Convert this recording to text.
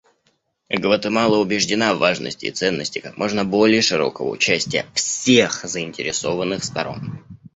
Гватемала убеждена в важности и ценности как можно более широкого участия всех заинтересованных сторон.